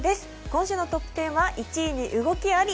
今週のトップ１０は１位に動きあり。